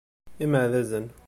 Imeɛdazen.